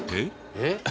えっ？